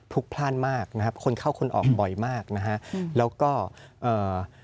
ลุกพลาดมากนะครับคนเข้าคนออกบ่อยมากนะฮะแล้วก็เอ่อ